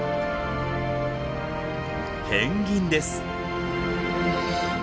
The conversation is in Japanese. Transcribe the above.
ペンギンです。